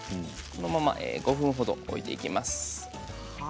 このまま５分ほど置いていきます。